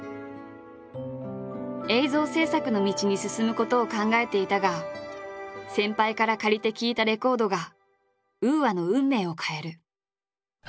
映像制作の道に進むことを考えていたが先輩から借りて聴いたレコードがＵＡの運命を変える。